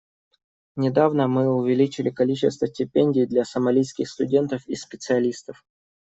Недавно мы увеличили количество стипендий для сомалийских студентов и специалистов.